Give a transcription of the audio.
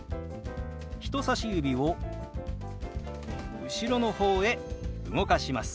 人さし指を後ろの方へ動かします。